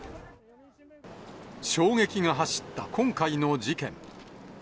衝撃が走った今回の事件。